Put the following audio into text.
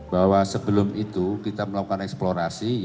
bahwa sebelum itu kita melakukan eksplorasi